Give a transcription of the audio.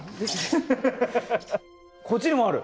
こっちにもある！？